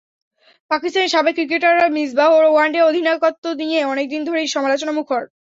পাকিস্তানের সাবেক ক্রিকেটাররা মিসবাহর ওয়ানডে অধিনায়কত্ব নিয়ে অনেক দিন ধরেই সমালোচনামুখর।